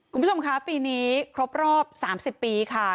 คุณผู้ชมคะปีนี้ครบรอบ๓๐ปีค่ะ